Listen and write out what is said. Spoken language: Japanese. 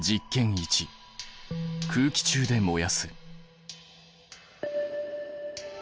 １空気中で燃やす。